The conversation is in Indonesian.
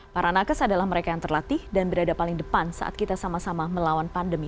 para nakes adalah mereka yang terlatih dan berada paling depan saat kita sama sama melawan pandemi